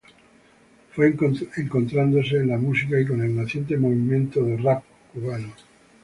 Fue encontrándose con la música y con el naciente movimiento de rap cubano.